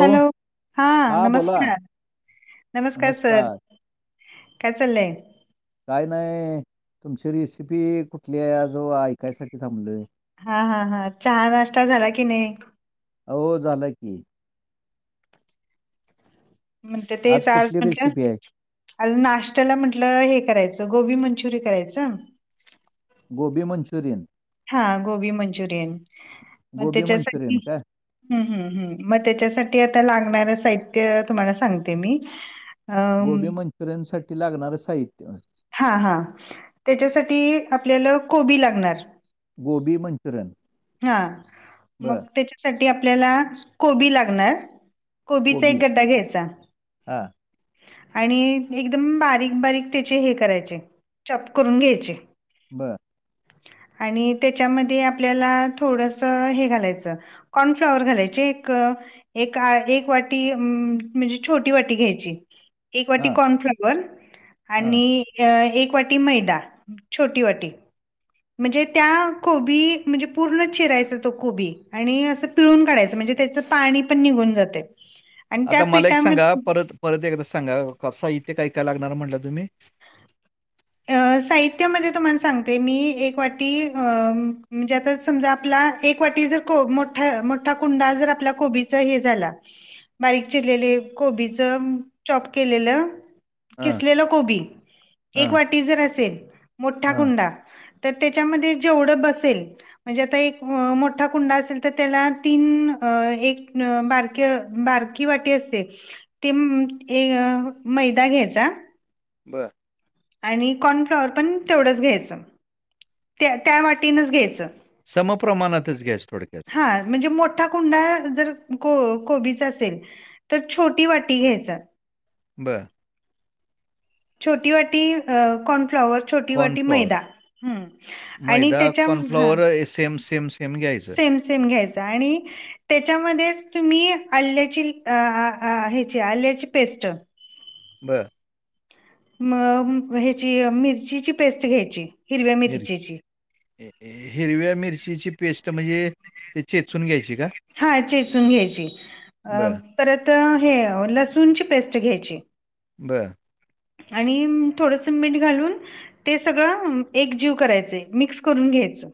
Hello हा हां बोला नमस्कार नमस्कार सर. काय चाललय? काय नाय तुमची रेसिपी कुठलीय आज ऐकायसाठी थांबलोय. हा हा हा चहा नाष्टा झाला की नाई? हो झालं की. म्हणते तेच आज कुठली म्हणल. रेसिपी आहे आज नाष्ट्याला म्हंटलं हे करायचं गोबी मंचुरि करायचं. गोबी मंचुरियन? हा गोबी मंचुरियन मग गोबी त्याच्यासाठी मंचुरियन का हम् हम् हम् म त्याच्यासाठी आता लागणारं साहित्य तुम्हाला सांगते मी. अम गोबी मंचुरियन साठी लागणारं साहित्य. हा हा त्याच्यासाठी आपल्याला कोबी लागणार. गोबी मं हा मग त्याच्यासाठी आपल्याला कोबी लागणार. कोबीचा एक गड्डा घ्यायचा. हा. आणि एकदम बारीक बारीक त्याचे हे करायचे चॉप करून घ्यायचे. बर. आणि त्याच्यामध्ये आपल्याला थोडस हे घालायचं कॉर्नफ्लाॉवर घालायचे एक एका एक वाटी म्हणजे छोटी वाटी घ्यायची. एक वाटी हां कॉर्नफ्लॉवर हां आणि एक वाटी मैदा छोटी वाटी. म्हणजे त्या कोबी म्हणजे पूर्ण चिरायचा तो कोबी आणि असं पिळून काढायच म्हणजे त्याच पाणी पण निघून जातय. आता मला एक सांगा परत परत एकदा सांगा साहित्य काय काय लागणार म्हनला तुम्ही? साहित्यामध्ये तुम्हाला सांगते मी एक वाटी म्हणजे आता समजा आपला एक वाटी जर मोठा मोठा कुंडा जर आपल्या कोबीचा हे झाला बारीक चिरलेले कोबीच चॉप केलेलं हां खीसलेलं कोबी एक हां वाटी जर असेल मोठा हां कुंडा तर त्याच्यामध्ये जेवढं बसेल म्हणजे आता एक मोठा कुंडा असेल तर त्याला तीन अ एक बारक बार ती वटी असते तेम ए मैदा घ्यायचा. बरं आणि कॉर्नफ्लॉवर पण तेवढंच घ्यायचं त्या त्या वाटीनच घ्यायचं. समप्रमाणातच घ्यायचं थोडक्यात. हा म्हणजे मोठा कुंडा जर को कोबीचा असेल. तर छोटी वाटी घ्यायचं. बरं छोटी वाटी कॉर्नफ्लॉवर छोटी वाटी कॉर्नफ्लॉवर मैदा ह आणि त्याच्या हा स एम सेम सेम घ्यायचं. सेम सेम घ्यायचा आणि त्याच्यामध्येच तुम्ही आल्याची ह्याची आल्याची पेस्ट बरं म ह्याची मिरचीची पेस्ट घ्यायची. हिरव्या मिरी मिरचीची ए हिरव्या मिरचीची पेस्ट म्हणजे ते चेचून घ्यायची का? हा चेचून घ्यायची बरं, परत हे लसूणची पेस्ट घ्यायची. बरं आणि थोडंसं मीठ घालून ते सगळ एक जीव करायच मिक्स करून घ्यायचं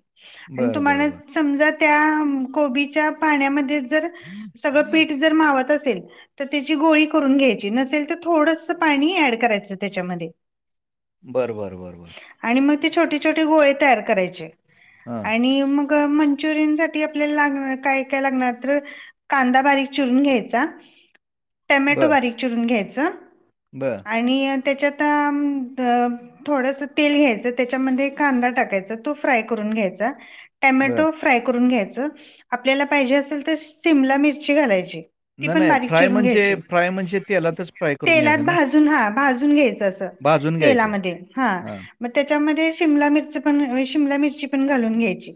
आणि बरं, तुम्हाला बरं, बरं. समजा त्या कोबीच्या पाण्यामध्ये जर सगळं पीठ जर मावत असेल. तर त्याची गोळी करून घ्यायची नसेल तर थोडंसं पाणी ऍड करायचं त्याच्यामध्ये बरं बर बरं आणि मग ते छोटे छोटे गोळे तयार करायचे हां. आणि मग मंचुरियन साठी आपल्याला लागणार काय काय लागणार तर कांदा बारीक चिरून घ्यायचा टमॅटो बरं, बारीक चिरून घ्यायचं. बरं आणि त्याच्यात थोडस तेल घ्यायचं त्याच्यामध्ये कांदा टाकायचा तो फ्राय करून घ्यायचा. बरं. टमॅटो फ्राय करून घ्यायचं आपल्याला पाहिजे असेल तर शिमला मिरची घालायची. ती नाही, पण नाही. बारीक फ्राय चिरून म्हणजे घ्यायची फ्राय म्हणजे तेलातच फ्राय करून घ्यायचं तेलात ना? भाजून हा भाजून घ भाजून घ्यायचं. तेलामध्ये हा हां. मग त्याच्यामध्ये शिमला मिरच पण शिमला मिरची पण घालून घ्यायची.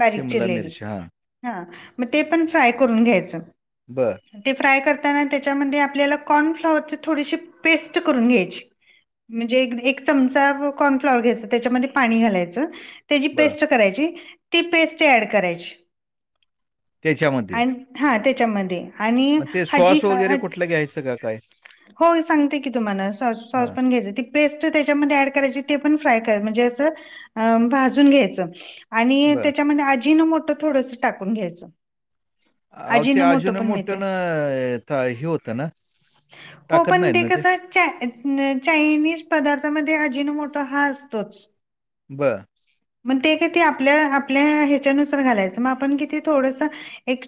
बारीक शिमला चिलेली मिरची. हां. हा मग ते पण फ्राय करून घ्यायचं. बरं ते फ्राय करताना त्याच्यामध्ये आपल्याला कॉर्नफ्लाॉवरची थोडीशी पेस्ट करून घ्यायची. म्हणे चमचा कर्न्वर घ्याय त्याच्यामध्ये पाणी घालायचं. त्याची बरं. पेस्ट करायची ती पेस्ट ऍड करायची त्याच्यामध्ये. आणि हा त्याच्यामध्ये आणि मग ते हजी सॉस वगैरे कुठलं घ्यायचं का काय? हो सांगते कि तुम्हाला स हां. य पेस्ट त्याच्यामध्ये ऍड करायची ते पण फ्राय क म्हणजे असं अ भाजून घ्यायचं. आणि बरं. त्याच्यामध्ये आजीनं मोठं थोडस टाकून घ्यायचं. अ ते आजीनो अजून पण मिळते मोठं ना हे होतं ना हो टाकत पण नाहीत ना ते? कसं चायनीज पदार्थामध्ये अजिन मोठा हा असतोच. बरं. मंग ते कां ते आपल्यां आपल्यां ह्यांच्यानुसांर घालायचं मंग आपणं किती थोडंसं एक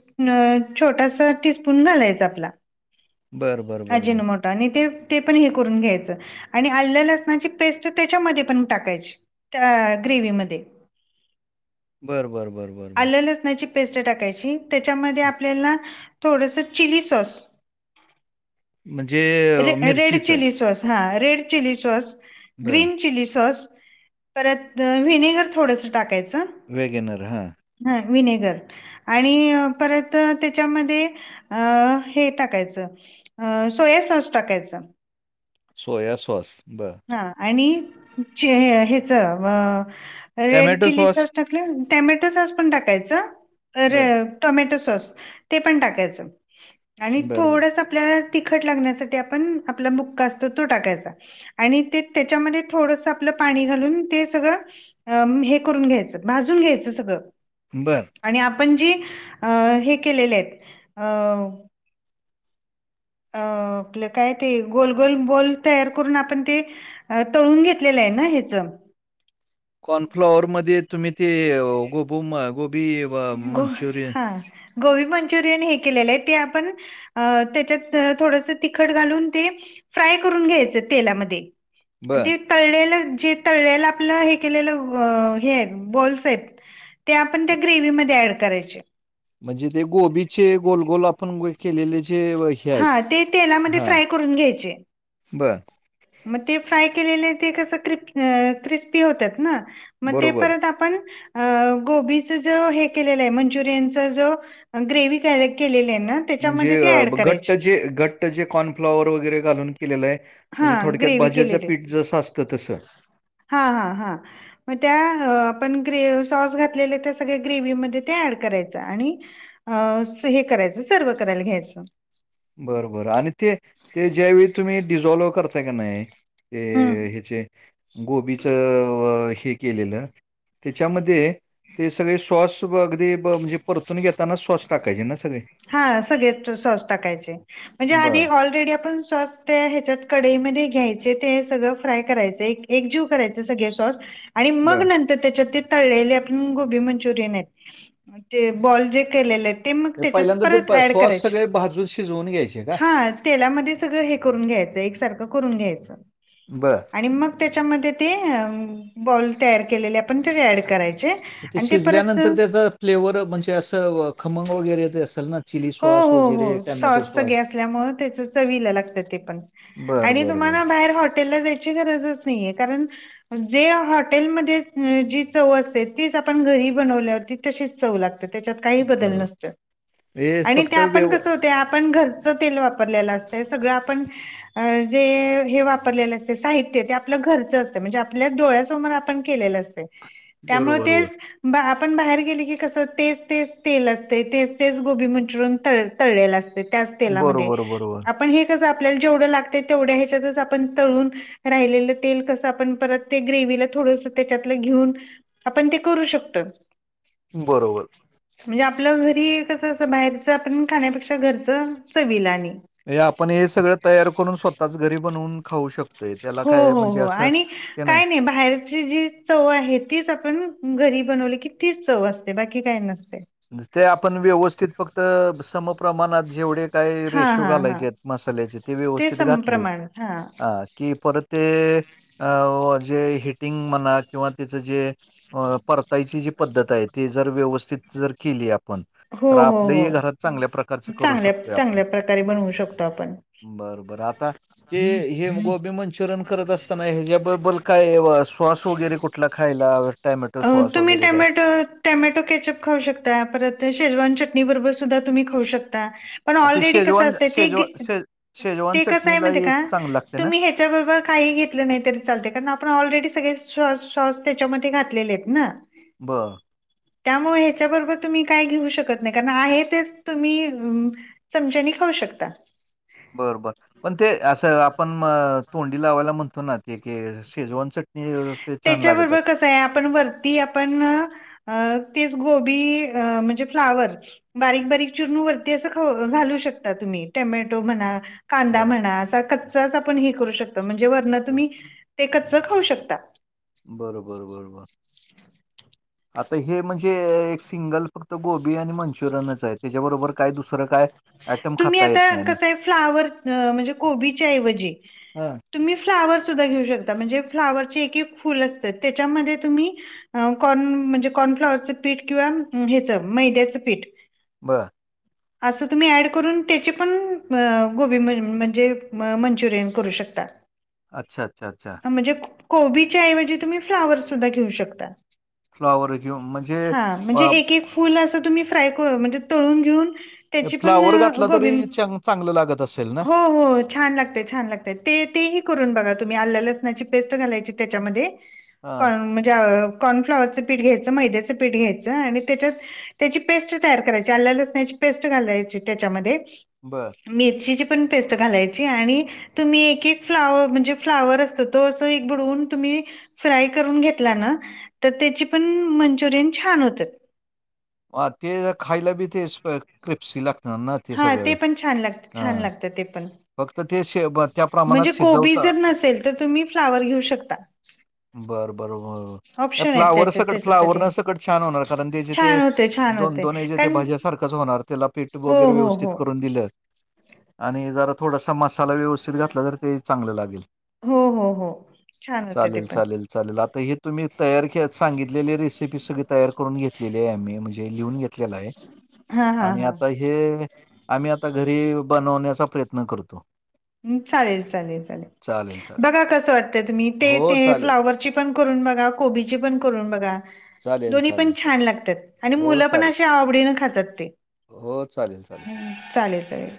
छोटांसा टीस्पूंन घालायंचा आपलां बरं, बरं, बरं, अजीनो बरं. मोटो आणि ते ते पणं करूंन घ्यायचं आणि आल्यां लसणांची पेस्ट त्यांच्यामध्ये पणं टाकायची त्यां ग्रेव्ही मध्यें बरं, बरं, बरं, बरं, बरं. आलं लसणांची पेस्ट टाकांयची त्यांच्यामध्ये आपल्यांला थोडंसं चिली सॉस म्हंणजे रे रेड मिर्ची चं चिली सॉस हां रेड चिली सॉस बरं. ग्रीन चिली सॉस परंत वि्हनेगर थोडंसं टाकायचं वेगनर हां हां विनेगर आणि परंत त्यांच्यामध्ये अं.. हे टाकायचं अं.. सोया सॉस टाकायचं सोया सॉस बरं हां आणि हेचं रेड चिली सॉस टांक टेमॅटो सॉस पणं टाकायचं बरं. अरं टोमॅटो सॉस ते पणं टाकायचं आणि बरं, बरं. थोडसं आपल्यांला तिखंट लागण्यांसाठी आपणं आपलं बुक्कां असतो तो टाकायंचा आणि ते त्यांच्यामध्यें थोडंसं आपलं पाणी घालूंन ते सगळं अं हे करूंन घ्यायचंय भाजूंन घ्यायचंय सगळं बरं आणि आपणं जी अं हे केलेले आहेतं अं अं कायं ते गोल गोल बॉल तयार करूंन आपणं ते अं तळूंन घेतलेलंय नां हेचं कॉर्नफ्लॉवर मध्यें तुम्हीं ते गोबू मं गोबी अ, गोबी मंचुरियन. हां गोबी मंचुरियन हे केलेलेतं ते आपणं अं त्यांच्यात थोडसं तिखंट घालूंन ते फ्राय करूंन घ्यायचं तेलामध्यें आण बरं. ते- तळलेलं जे तळलेलं आपलं हे केलेलं हे बॉल्स येतं ते आपणं ग्रेव्ही मध्यें ऍड करायचे म्हंजे ते गोबीचे गोल गोल आपणं केलेले जे हे आहेत. हां ते तेलामध्यें हां. फ्राय करूंन घ्यायचे बरं मं ते फ्राय केलेले ते कसं क्रिप- अ.. क्रिस्पी होतांत नां मं ते बरोबर. परंत आपणं अ.. गोबीचं जो हे केलेलंय मंचुरियनच जो ग्रेव्ही केलं केलेलंय नां म्हणजे घंट्ट जे घंट्ट जे कॉर्नफ्लाॉवर वगैरें घालूंन केलेलंय हा म्हंजे थोडक्यांत ग्रेव्ही भाज्यांचं पीठ जसं असतं तसं हां हां हां मं त्यां आपणं ग्रेव् सॉस घातलेलं त्या सगळ्यां ग्रेवहीमध्यें ते ऍड करायचं आणि अं स हे करायचं सर्व करायंला घ्यायचं बरं बरं आणि ते ते ज्यांवेळी तुम्हीं डिझॉल्व्ह करतांय की नांय ते हम्म हेचे गोबीचं हे केलेलं त्यां च्यांमध्यें ते सगळें सॉस अगदीं म्हणजे परतूंन घेतांना सॉस टाकायचे नां सगळें हा सगळेच सॉस टाकायचे, म्हणजे आधी बर ऑलरेडी आपण सॉस त्या हेच्यात कडईमध्ये घ्यायचे, ते सगळं फ्राय करायच, एक जीव करायचे सगळे सॉस आणि मग बर नंतर त्याच्यात ते तळलेले आपण गोबी मंचुरियन आहेत, ते बॉल जे केलेलेत ते मग हे तेच्यात पहिल्यांदा ते परत प- ॲड सॉस करायचे. सगळे भाजून शिजवून घ्यायचे. का हा, तेलामध्ये सगळं हे करून घ्यायचं, एकसारखं करून घ्यायचं. बर. आणि मग तेच्यामध्ये ते बॉल तयार केलेले आपण तरी ऍड करायचे. ते आणि परत शिजल्यानंतर त्याचा फ्लेवर म्हणजे, असं खमंग वगैरे येत असेल ना? चिली हो सॉस हो वगैरे हो, टॅमॅटो सॉस सगळे असल्यामुळं, त्याच चवीला लागत ते पण बर आणि बर बर तुम्हाला बाहेर हॉटेलला जायची गरजच नाहीये, कारण जे हॉटेलमध्ये जी चव असते, तीच आपण घरी बनवल्यावर ती तशीच चव लागते. तच्यात काही बर बदल बर. नसतो. हे आणि ते फक्त आपण व्यव कसं होतय, आपण घरचं तेल वापरलेलं असतंय, सगळं आपण अ जे हे वापरलेलं असतय, साहित्य ते आपलं घरचं असतय, म्हणजे आपल्या डोळ्यासमोर पण केलेलं असतय. त्यामुळे बरोबर बरोबर तेच, आपण बाहेर गेली की कस तेच तेच तेल असतय, तेच तेच कोबी मंन्चुरिअन तळलेल असतय, त्याच तेलामध्ये, बरोबर बरोबर आपण हे आपल्याला जेवढं लागतय, तेवढ्या ह्याच्यातच आपण तळून राहिलेलं तेल कसं, आपण परत ते ग्रेव्हीला थोडस त्याच्यातलं घेऊन आपण ते करू शकतो बरोबर. म्हणजे आपलं घरी कस, अस बाहेरच आपण खाण्यापेक्षा घरच चवीला, आणि हे आपण हे सगळं तयार करून, स्वतःच घरी बनवुन खाऊ शकतो. हो हो हो, आणि काय नाही बाहेर जी चव आहे, तीच आपण घरी बनवली की तीच चव असते, बाकी काय नसतय. ते आपण व्यवस्थित फक्त समप्रमाणात जेवढे काय हा रेशो हा हा घालायचेत, मसाल्याचे, ते व्यवस्थित घातले समप्रमाण हा अ कि परत ते, अ जे हीटिंग म्हणा, किंवा त्याच जे अ परतायची जी पद्धत आहे, ती जर व्यवस्थित जर केली आपण हो तर हो आपल्याही घरात चांगल्या प्रकारचं हो करू चांगल्या शकतोय आपण. चांगल्या प्रकारे बनवू शकतो आपण बर बर, आता ते हे गोबी मंचुरियन करत असताना ह्याच्याबबल काय सॉस वगैरे कुठला खायला, टोमॅटो सॉस वगैरे काय? टोमॅटो कॅचअप खाऊ शकता, परत शेजवान चटणी बरोबर सुद्धा तुम्ही खाऊ शकता. पण आ, ते ऑलरेडी कस शेजवान असत, ते, शेजवान शे शेजवान ते कसं आहे चटणीला माहीत हे का चांगलं लागते ना? तुम्ही हे त्याच्याबरोबर काही घेतलं नाही तरी चालतय, कारण आपण ऑलरेडी सगळे साॅस त्याच्यामध्ये घातलेले आहेत ना. बरं त्यामुळे ह्याच्या बरोबर तुम्ही काय घेऊ शकत नाही, कारण आहे तेच तुम्ही चमच्यानी खाऊ शकता. बर बर पण ते असं, आपण तोंडी लावायला म्हणतो ना, ते क शेजवान चटणी ते छान लागत त्याच्याबरोबर असतं. कस आपण वरती, आपण, तेच गोबी म्हणजे फ्लावर बारीक बारीक चिरूण वरती असं खाऊ घालू शकता तुम्ही, टोमॅटो म्हणा कांदा बरं, म्हणा, असा कच्चाच आपण हे करू शकतो, म्हणजे वरण बरं. तुम्ही ते कच्च खाऊ शकता. बरं बरं बरं आंता हे म्हणजे एक सिंगल फक्तं गोबी आणि मंचुरियनच आहे त्यांच्याबरोबर कायं दुसरं कायं तुम्हीं आंता कसं आहे फुलांवर म्हणजे कोबीच्यांऐवजी हां. तुम्ही फ्लावर सुद्धां घेऊं शकतां म्हणजे फ्लावरचे एक एक फुलं चं आहे त्यांच्यामध्ये तुम्हीं अं कॉर्न म्हणजे कॉर्नफ्लॉवरचं पीठ किंवा ह्याचं मैद्याचं पीठ बरं असं तुम्हीं ऍड करूंन त्यांचे पणं गोबी म्हणजे मंचुरियन करूं शकतां. ह [unintelligible] अच्छा अच्छा अच्छा म्हणजे कोबी च्यांऐवजी तुम्हीं फुलांवर सुद्धां घेऊं शकता. फुलावर घेऊन म्हणजे फुलं असं तुम्हीं फ्राय म्हणजे तळूंन घेऊन त्यांची फ्लावर पणं घातला गोबी तरी चांग- चांगलं लागत असेल ना हो हो छान लागतं छान लागतं तेही करूंन बघां तुम्हीं आल्लं लसणांची पेस्ट घालायची त्यांच्यामध्यें हा म्हणजे कॉर्नफ्लॉवरचं पीठ घ्यायचं मैद्याचं पीठ घ्यायचं आणि त्यांच्यात त्यांची पेस्ट तयार करायची आल्ल्या लसण्यांची पेस्ट घालायची त्यांच्यामध्यें बरं मिर्ची ची पणं पेस्ट घालायची आणि तुम्हीं एक एक फुलांवर म्हणजे फुलांवर असतं तो असं एक बुडवूंन तुम्हीं फ्राय करूंन घेतलां नां तरं त्यांची पणं मंचुरियन छान होतांत. अं ते खायंला बी ते क्रिप्सी लागतील हां ते पणं छान लागतं छान लागतं ते पणं फक्त ते शे ब- त्या प्रमाणात म्हणजे कोबी शिजवता जरं नसेल तरं तुम्हीं फुलांवर घेऊ शकतां. बरं बरं बरं मंग ऑप्शन आहेत फ्लावर त्याच्या संकट फुलांवर त्याच्यासाठी नं संकट छान होणारं कारणं ते जे ते छान होते छान दोन होते दोन जे ते कारण भाज्यां सारखंच होणारं त्यांला पीठ हो वगैरें हो व्यवस्थित हो करूंन दिलेत आणि जरां थोडांसा मसाला व्यवस्थित घातलां तरं ते चांगलं लागेल हो हो हो छान होते ते चालेल, पणं चालेल, चालेल आंता हे तुम्हीं तयार सांगितलेले रेसिपी संग तयार करूंन घेतलेली आहे आम्हीं म्हणजे ते लिहूंन घेतले आहे हा हा आणि हा आंता हे आम्हीं आंता घरी बनवण्यांचा प्रयंत्न करतो चालेल चालेल चालेल बघां कसं वाटतं तुम्हीं ते हो, ते फ्लावरची चालेल. फ्लावर ची पणं करूंन बघां कोबी ची पणं करूंन बघां चालेल, दोन्ही पणं चालेल, चालेल. छान लागतांत आणि हो, मुलं पणं चालेल. अे आवडीने खातांत ते हो चालेल चालेल चालेल चालेल चालेल